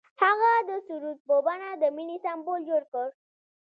هغه د سرود په بڼه د مینې سمبول جوړ کړ.